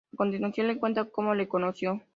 A continuación le cuenta cómo le conoció.